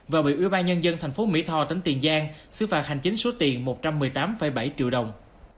và bị ủy ban nhân dân thành phố mỹ tho tỉnh tiền giang xứ phạt hành chính số tiền một trăm một mươi tám bảy triệu đồng